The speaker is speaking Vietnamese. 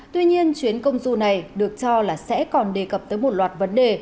tuy nhiên chuyến công du này được cho là sẽ còn đề cập tới một loạt vấn đề